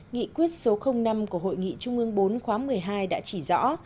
nghị quyết số năm của hội nghị trung ương bốn khóa một mươi hai đã chỉ rõ